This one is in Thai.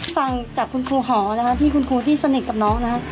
ฟังจากคุณครูหอคุณครูที่สนิทกับน้อง